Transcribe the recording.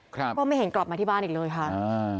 ก็ไม่เห็นกลับมาที่บ้านอีกเลยค่ะอ่า